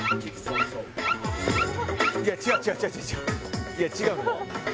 いや違う違う違ういや違うのよ